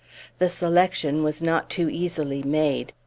The selection was not too easily made.